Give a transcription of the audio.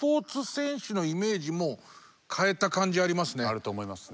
あると思いますね。